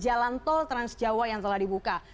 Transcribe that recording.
jalan tol trans jawa yang telah dibuka